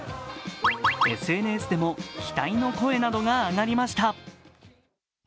ＳＮＳでも期待の声などが上がりました。